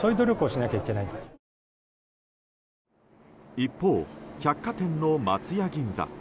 一方、百貨店の松屋銀座。